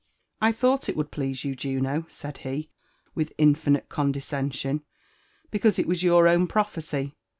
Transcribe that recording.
*• I thought it would please you, Juno," said be, with infinite ooih 4eaoenslon; '* because it was your own prophecy.